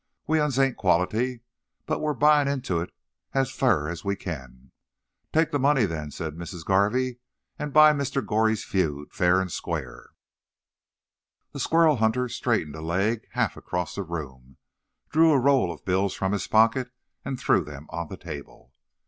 We 'uns ain't quality, but we're buyin' into it as fur as we can. 'Take the money, then,' says Missis Garvey, 'and buy Mr. Goree's feud, fa'r and squar'.'" The squirrel hunter straightened a leg half across the room, drew a roll of bills from his pocket, and threw them on the table.